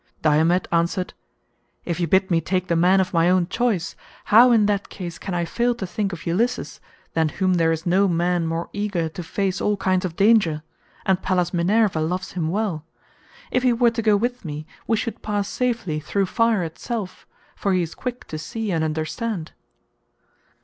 Diomed answered, "If you bid me take the man of my own choice, how in that case can I fail to think of Ulysses, than whom there is no man more eager to face all kinds of danger—and Pallas Minerva loves him well? If he were to go with me we should pass safely through fire itself, for he is quick to see and understand."